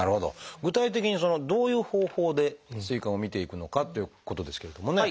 具体的にどういう方法で膵管をみていくのかということですけれどもね。